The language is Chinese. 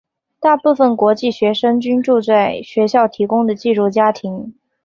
大部分国际学生均住在学校提供的寄住家庭。